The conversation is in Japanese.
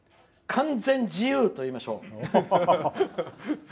完全自由といいましょう。